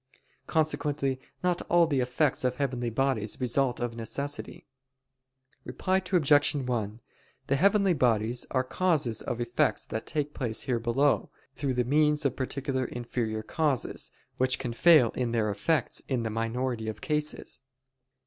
Consequently not all the effects of heavenly bodies result of necessity. Reply Obj. 1: The heavenly bodies are causes of effects that take place here below, through the means of particular inferior causes, which can fail in their effects in the minority of cases.